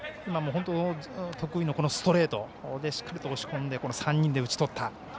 得意のストレートでしっかりと押し込んで、３人で打ち取った。